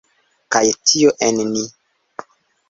Kaj tio en ni.